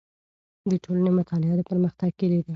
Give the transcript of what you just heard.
د ټولنې مطالعه د پرمختګ کیلي ده.